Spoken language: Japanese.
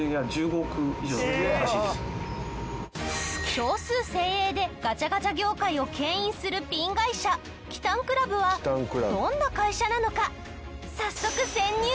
少数精鋭でガチャガチャ業界を牽引するピン会社キタンクラブはどんな会社なのか早速潜入！